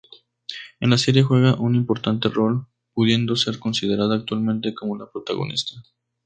En la serie, juega un importante rol, pudiendo ser considerada actualmente como la protagonista.